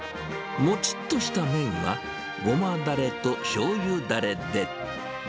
もちっとした麺は、ごまだれとしょうゆだれで。